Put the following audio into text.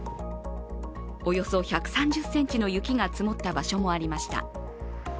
およそ１３０ｃｍの雪が積もった場所もありました。